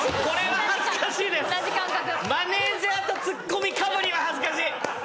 マネジャーとツッコミかぶりは恥ずかしい。